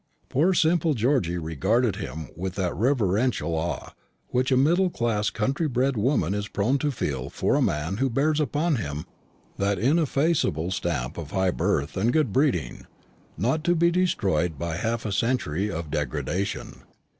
Poor simple Georgy regarded him with that reverential awe which a middle class country bred woman is prone to feel for a man who bears upon him that ineffaceable stamp of high birth and good breeding, not to be destroyed by half a century of degradation.